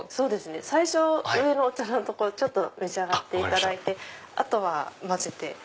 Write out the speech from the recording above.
最初上のお茶のとこ召し上がっていただいてあとは混ぜて。